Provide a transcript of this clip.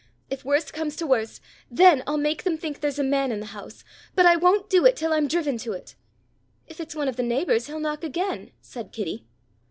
If worst comes to worst, then I'll make them think there's a man in the house, but I won't do it till I'm driven to it." "If it's one of the neighbours he'll knock again," said Kitty.